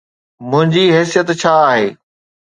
منهنجي حيثيت ڇا آهي؟